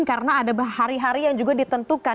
karena ada hari hari yang juga ditentukan